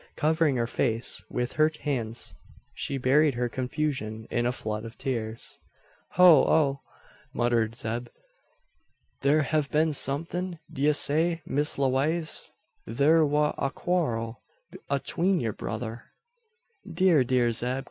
Covering her face with her hands, she buried her confusion in a flood of tears. "Hoh oh!" muttered Zeb; "thur hev been somethin'? D'ye say, Miss Lewaze, thur war a a quarrel atween yur brother " "Dear, dear Zeb!"